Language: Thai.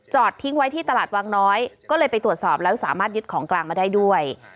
ทิ้งไว้ที่ตลาดวังน้อยก็เลยไปตรวจสอบแล้วสามารถยึดของกลางมาได้ด้วย